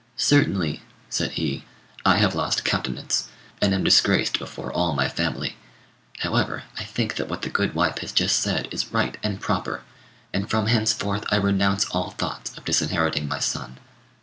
"Certainly," said he, "I have lost countenance, and am disgraced before all my family; however, I think that what the good wife has just said is right and proper, and from henceforth I renounce all thoughts of disinheriting my son.